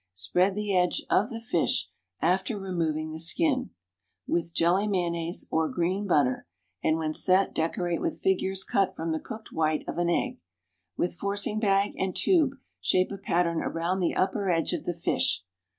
Spread the edge of the fish, after removing the skin, with jelly mayonnaise, or green butter, and, when set, decorate with figures cut from the cooked white of an egg. With forcing bag and tube shape a pattern around the upper edge of the fish.